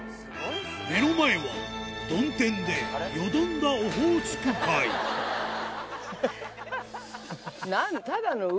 目の前は曇天でよどんだオホーツク海。